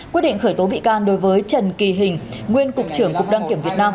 quyết định khởi tố bị can đối với trần kỳ hình nguyên cục trưởng cục đăng kiểm việt nam